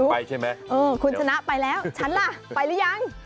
ทิวคุณชนะไปแล้วฉันล่ะไปหรือยัง